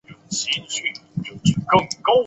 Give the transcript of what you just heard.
球队现在参加罗马尼亚足球甲级联赛的赛事。